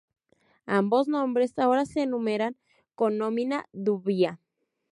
Ambos nombres ahora se enumeran como "nomina dubia".